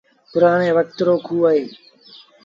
پُرآڻي وکت رآ کوه اهيݩ۔